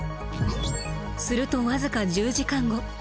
すると僅か１０時間後。